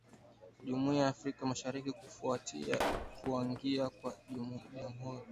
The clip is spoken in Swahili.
Jumuiya ya Afrika Mashariki Kufuatia kuingiza kwa Jamhuri ya Kidemokrasi ya Kongo kuwa mwanachama mpya katika jumuiya hiyo